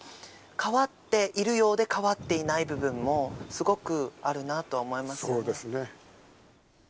変わっているようで変わっていない部分も、すごくあるなと思いまそうですね。